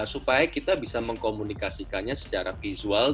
supaya kita bisa mengkomunikasikannya secara visual